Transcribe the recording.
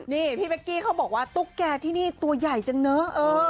นี่พี่เป๊กกี้เขาบอกว่าตุ๊กแกที่นี่ตัวใหญ่จังเนอะ